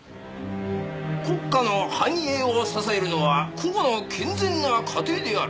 「国家の繁栄を支えるのは個々の健全な家庭である」